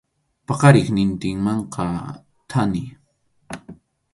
Paqariqnintinmanqa thani.